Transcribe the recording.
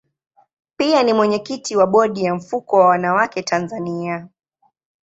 Pia ni mwenyekiti wa bodi ya mfuko wa wanawake Tanzania.